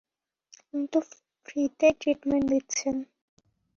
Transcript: উনি তো ফ্রিতেই ট্রিটমেন্ট দিচ্ছেন।